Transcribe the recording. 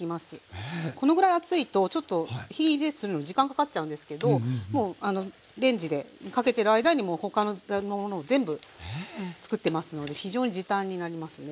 このぐらい厚いとちょっと火入れするのに時間かかっちゃうんですけどもうレンジでかけてる間に他の炒め物も全部つくってますので非常に時短になりますね。